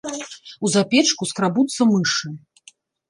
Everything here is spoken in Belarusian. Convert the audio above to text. У запечку скрабуцца мышы.